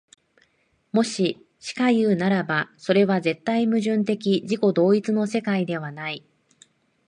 もししかいうならば、それは絶対矛盾的自己同一の世界ではない。